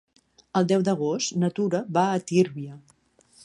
El deu d'agost na Tura va a Tírvia.